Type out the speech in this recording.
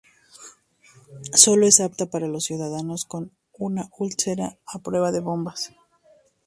solo es apta para los ciudadanos con una úlcera a prueba de bombas